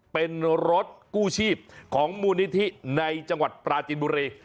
เป็นรถกู้ชีพของมูลนิธิในจังหวัดปราจินบุรี